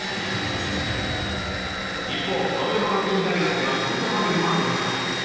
一方、青山学院大学ではこんな場面もありました。